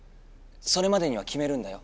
それまでにはきめるんだよ。